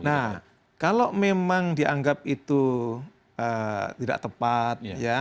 nah kalau memang dianggap itu tidak tepat ya